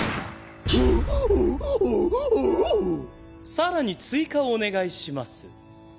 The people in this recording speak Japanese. さらに追加をお願いします。